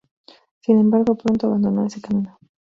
Sin embargo, pronto abandonó ese camino.